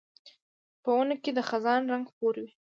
په ونو کې د خزان رنګ خپور وي